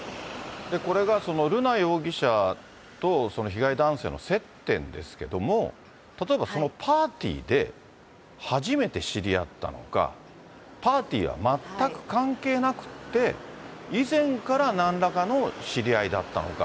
これがその瑠奈容疑者と、その被害男性の接点ですけども、例えばそのパーティーで初めて知り合ったのか、パーティーは全く関係なくて、以前からなんらかの知り合いだったのか。